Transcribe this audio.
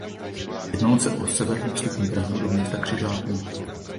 Jednalo se o severní vstupní bránu do města za křižáků.